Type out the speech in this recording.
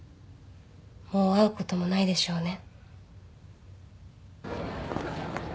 もう会うこともないでしょうね